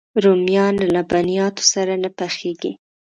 رومیان له لبنیاتو سره نه پخېږي